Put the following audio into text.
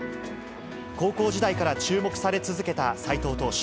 高校時代から注目され続けた斎藤投手。